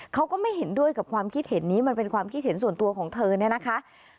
เขาก็ไม่เห็นด้วยกับความคิดเห็นนี้มันเป็นความคิดเห็นส่วนตัวของเธอเนี่ยนะคะ